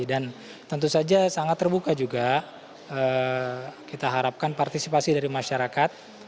dan tentu saja sangat terbuka juga kita harapkan partisipasi dari masyarakat